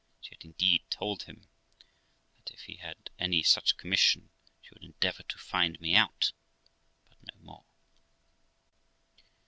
She had indeed told him that, if he had any such commission, she would endeavour to find me out, but no more.